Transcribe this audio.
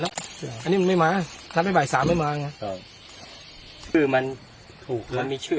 อันนี้มันไม่มาถ้าไม่บ่ายสามไม่มาไงครับชื่อมันถูกมันมีชื่อ